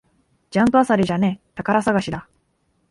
ジャンク漁りじゃねえ、宝探しだ